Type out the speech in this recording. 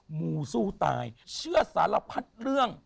มูสู้ตายเชื่อสารพัดเรื่อง